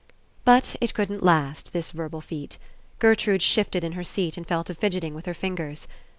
But It couldn't last, this verbal feat. Gertrude shifted In her seat and fell to fidget ing with her fingers.